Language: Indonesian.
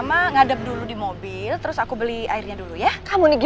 b mana caranya bien mama gak liat dewi dan anak kecil ini